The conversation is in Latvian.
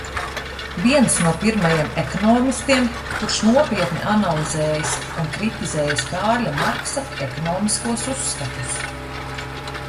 Viens no pirmajiem ekonomistiem, kurš nopietni analizējis un kritizējis Kārļa Marksa ekonomiskos uzskatus.